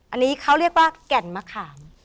อันนี้เขาเรียกว่าแก่นมะขาม